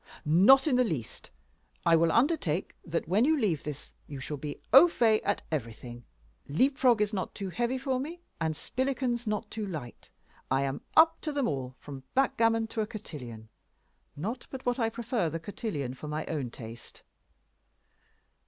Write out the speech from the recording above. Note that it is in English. "Not in the least. I will undertake that when you leave this you shall be au fait at everything. Leap frog is not too heavy for me and spillikins not too light. I am up to them all, from backgammon to a cotillon, not but what I prefer the cotillon for my own taste."